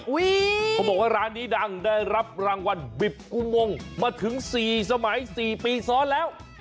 เขาบอกว่าร้านนี้ดังได้รับรางวัลบิบกุมงมาถึง๔สมัย๔ปีซ้อนแล้ว